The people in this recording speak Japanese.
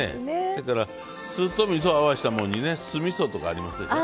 せやから酢とみそを合わせたもんにね酢みそとかありますでしょ。